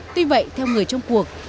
tuy vậy theo người trong cuộc